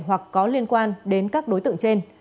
hoặc có liên quan đến các đối tượng trên